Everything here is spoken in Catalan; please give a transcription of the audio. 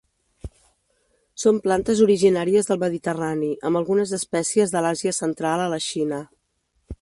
Són plantes originàries del mediterrani amb algunes espècies de l'Àsia central a la Xina.